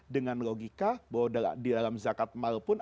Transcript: dengan logika bahwa di dalam zakat mal pun